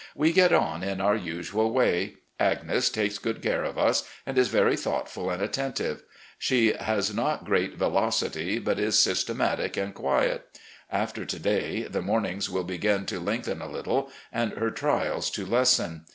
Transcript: We get on in our usual way. Agnes takes good care of us, and is very thoughtful and attentive. She has not great velocity, but is sys tematic and quiet. After to day, the mornings will begin to lengthen a little, and her trials to lessen.